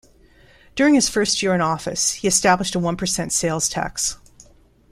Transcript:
During his first year in office, he established a one-percent sales tax.